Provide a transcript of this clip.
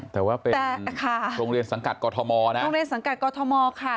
แต่ว่าเป็นโรงเรียนสังกัดกอทมนะโรงเรียนสังกัดกอทมค่ะ